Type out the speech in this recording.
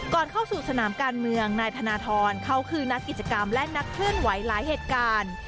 เข้าสู่สนามการเมืองนายธนทรเขาคือนักกิจกรรมและนักเคลื่อนไหวหลายเหตุการณ์